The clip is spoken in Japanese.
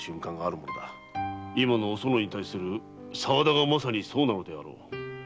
今のおそのに対する沢田がまさにそうなのであろう。